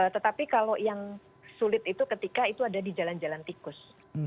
tetapi kalau yang sulit itu ketika itu ada di jalan jalan tikus